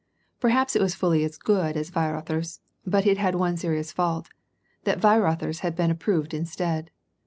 Perhaps it was fully as good as Weirother's, but it had one serious fault — that Weirother's had been approved instead.